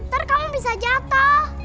bentar kamu bisa jatuh